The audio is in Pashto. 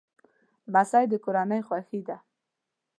لمسی د کورنۍ خوښي ده.